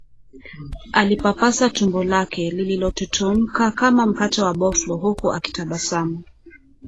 Alipapasa tumbo lake lililotutumka kama mkate wa boflo huku akitabasamu